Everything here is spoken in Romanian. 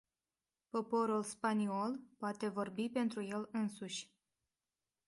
Poporul spaniol poate vorbi pentru el însuși.